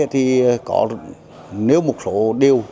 thì có nếu một số điều